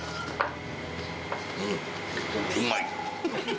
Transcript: うん、うまい。